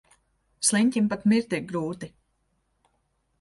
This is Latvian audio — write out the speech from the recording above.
Sliņķim pat mirt ir grūti.